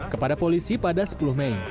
kepada polisi pada sepuluh mei